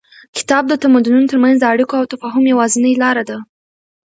کتاب د تمدنونو تر منځ د اړیکو او تفاهم یوازینۍ لاره ده.